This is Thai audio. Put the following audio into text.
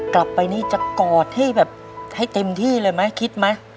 กลับไปนี่จะกอดให้แบบให้เต็มที่เลยไหมคิดไหม